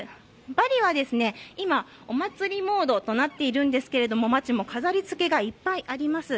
バリはですね、今、お祭りモードとなっているんですけれども、街も飾りつけがいっぱいあります。